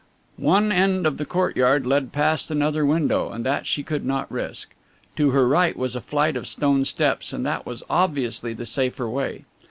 One end of the courtyard led past another window, and that she could not risk. To her right was a flight of stone steps, and that was obviously the safer way.